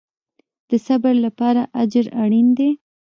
د صبر لپاره اجر اړین دی